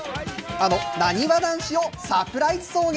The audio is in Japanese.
あのなにわ男子をサプライズ送迎。